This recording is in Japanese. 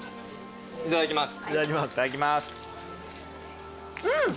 いただきます。